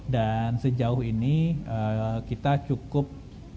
dan sejauh ini kita cukup berpegang kepada informasi yang disampaikan oleh institusi pemerintah